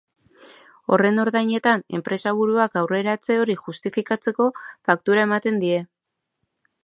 Horren ordainetan, enpresaburuak aurreratze hori justifikatzeko faktura ematen die.